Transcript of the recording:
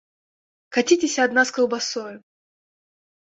Каціцеся ад нас каўбасою!